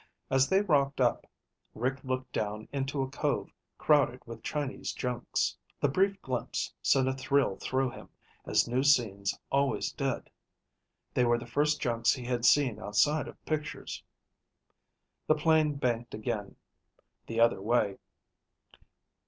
As they rocked up, Rick looked down into a cove, crowded with Chinese junks. The brief glimpse sent a thrill through him, as new scenes always did. They were the first junks he had seen outside of pictures. The plane banked again, the other way.